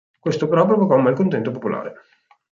Questo però provocò un malcontento popolare.